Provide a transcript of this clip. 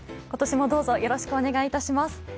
今年もどうぞよろしくお願いいたします。